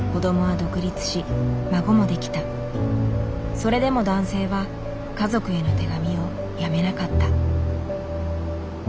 それでも男性は家族への手紙をやめなかった。